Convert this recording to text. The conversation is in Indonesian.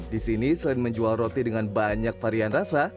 di sini selain menjual roti dengan banyak varian rasa